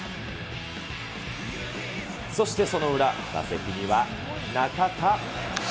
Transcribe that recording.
そしてその裏、打席には、中田翔。